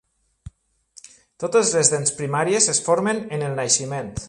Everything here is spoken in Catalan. Totes les dents primàries es formen en el naixement.